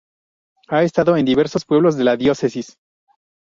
Ha estado en diversos pueblos de la Diócesis.